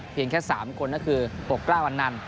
เพียงแค่๓คนนั่นคือโปรกกล้าวอันนั้น